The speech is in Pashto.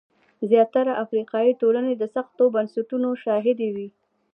زیاتره افریقایي ټولنې د سختو بنسټونو شاهدې وې.